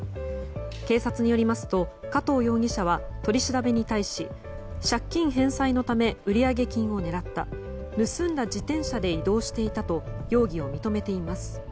警察によりますと加藤容疑者は取り調べに対し借金返済のため、売上金を狙った盗んだ自転車で移動していたと容疑を認めています。